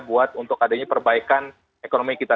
buat untuk adanya perbaikan ekonomi kita